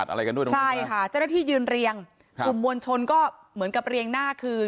อะไรกันด้วยนะใช่ค่ะเจ้าหน้าที่ยืนเรียงกลุ่มมวลชนก็เหมือนกับเรียงหน้าคือ